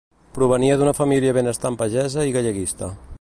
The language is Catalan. Provenia d'una família benestant pagesa i galleguista.